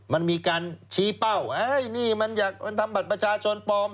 มันมีการชี้เป้านี่มันอยากทำบัตรประชาชนปลอม